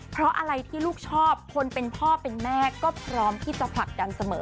เพราะอะไรที่ลูกชอบคนเป็นพ่อเป็นแม่ก็พร้อมที่จะผลักดันเสมอ